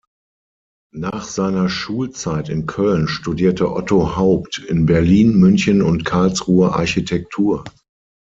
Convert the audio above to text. Nach seiner Schulzeit in Köln studierte Otto Haupt in Berlin, München und Karlsruhe Architektur.